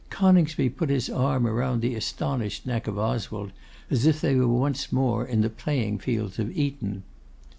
Coningsby put his arm around the astonished neck of Oswald, as if they were once more in the playing fields of Eton.